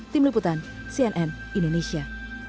tim liputan cnn indonesia